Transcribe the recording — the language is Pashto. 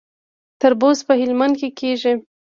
تربوز په هلمند کې کیږي